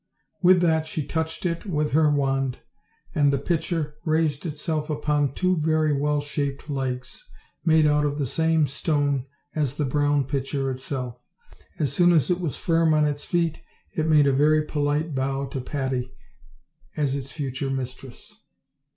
"With that she touched it with her wand, and the pitcher raised itself upon two very well shaped legs, made out of the same stone as the brown pitcher itself. As soon as it was firm on its feet it made a very polite bow to Patty as its future mistress.